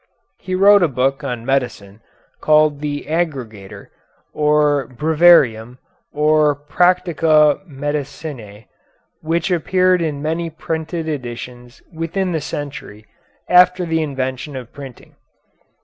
He wrote a book on medicine called the "Aggregator," or "Breviarium," or "Practica Medicinæ," which appeared in many printed editions within the century after the invention of printing.